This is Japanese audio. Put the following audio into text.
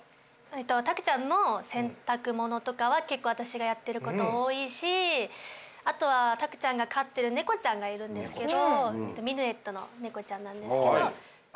たくちゃんの洗濯物とかは結構私がやってる事多いしあとはたくちゃんが飼ってる猫ちゃんがいるんですけどミヌエットの猫ちゃんなんですけど。